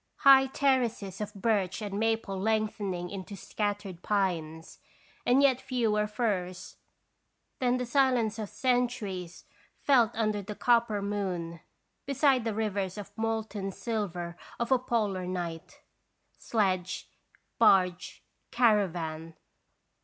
High terraces of birch and maple lengthening into scattered pines, and yet fewer firs; then the silence of centuries felt under the copper moon, beside the rivers of molten silver of a polar night. Sledge, barge, caravan.